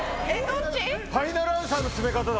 ファイナルアンサーの詰め方だ。